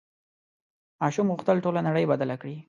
ماشوم غوښتل ټوله نړۍ بدله کړي.